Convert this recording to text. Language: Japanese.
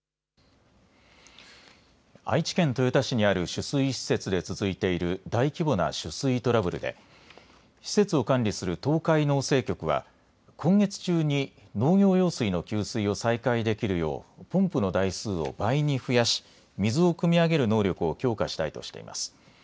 愛知県豊田市にある取水施設で続いている大規模な出水トラブルで施設を管理する東海農政局は今月中に農業用水の給水を再開できるようポンプの台数を倍に増やし水をくみ上げる能力を強化したいとしています。